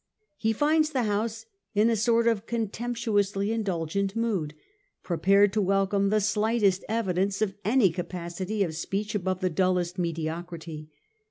He finds the House in a sort of contemptuously indulgent mood, prepared to welcome the slightest evidence of any ca pacity of speech above the dullest mediocrity.